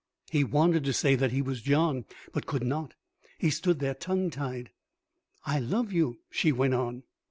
He wanted to say that he was John, but could not. He stood there tongue tied. "I love you," she went on.